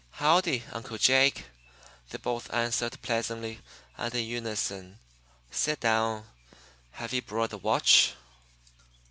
"Howdy, Uncle Jake?" they both answered pleasantly and in unison. "Sit down. Have you brought the watch?"